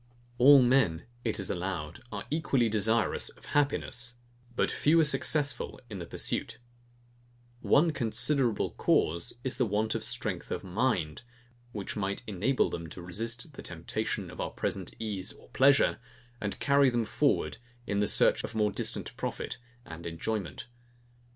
All men, it is allowed, are equally desirous of happiness; but few are successful in the pursuit: One considerable cause is the want of strength of mind, which might enable them to resist the temptation of present ease or pleasure, and carry them forward in the search of more distant profit and enjoyment.